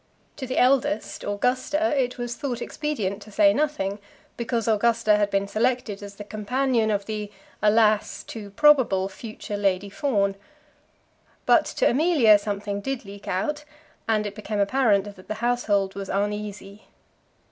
To the eldest, Augusta, it was thought expedient to say nothing, because Augusta had been selected as the companion of the, alas! too probable future Lady Fawn. But to Amelia something did leak out, and it became apparent that the household was uneasy.